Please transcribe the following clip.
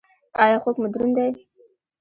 ایا خوب مو دروند دی؟